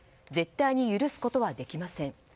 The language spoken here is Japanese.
絶対に許すことはできません。